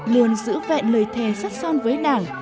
luôn giữ vẹn lời thề sát son với đảng